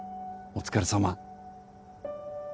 お疲れさま。